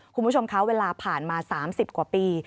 คุณผู้ชมคะเวลาผ่านมา๓๐กว่าปี